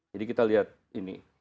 jadi kita lihat ini